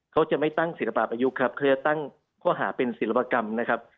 เขาจะไม่ตั้งศิลปะอายุครับเขาจะตั้งข้อหาเป็นศิลปกรรมนะครับ